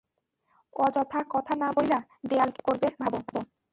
অযথা কথা না বইলা, দেয়াল কে ঠিক করবে ভাবো?